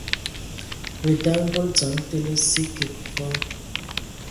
Vǝ da mbol dzam te lǝ sǝ kig fɔɔ.